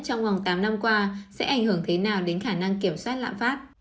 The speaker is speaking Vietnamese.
trong vòng tám năm qua sẽ ảnh hưởng thế nào đến khả năng kiểm soát lạm phát